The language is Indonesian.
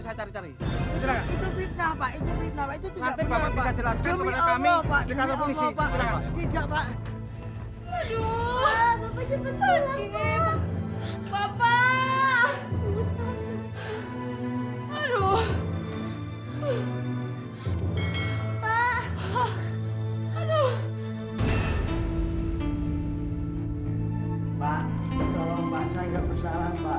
saya tidak bersalah pak